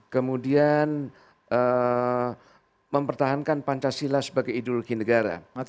kemudian mempertahankan pancasila sebagai ideologi negara